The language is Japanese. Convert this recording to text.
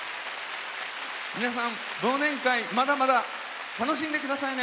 皆さん忘年会まだまだ楽しんでくださいね。